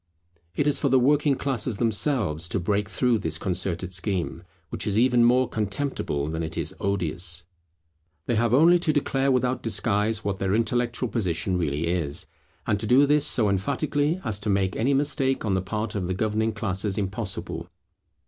It is for the working classes themselves to break through this concerted scheme, which is even more contemptible than it is odious. They have only to declare without disguise what their intellectual position really is; and to do this so emphatically as to make any mistake on the part of the governing classes impossible.